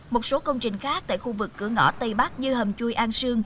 một số công trình khác tại khu vực cửa ngõ tây bắc như hầm chui an sương